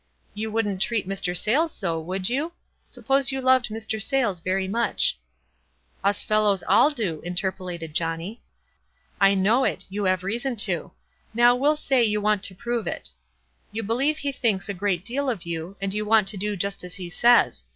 You wouldn't treat Mr. Sayles so, would } r ou ? Sup pose you loved Mr. Sayles very much." 240 WISE AND OTHERWISE. "Us fellows all do," interpolated Johnny. " I know it ; you have reason to. Now we'll say you want to prove it. You believe he thinks a great deal of you, and } r ou want to do just as he says.